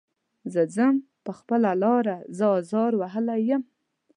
زه ځم په خپله لاره زه ازار وهلی یم.